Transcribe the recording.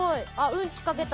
うんち描けた。